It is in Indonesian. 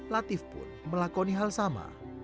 latif pun melakoni hal sama